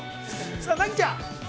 さあ、ナギちゃん。